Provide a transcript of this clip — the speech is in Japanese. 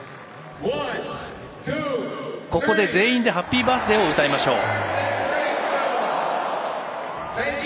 ここで、全員で「ハッピーバースデー」を歌いましょう。